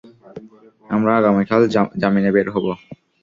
আমরা আগামীকাল জামিনে বের হব।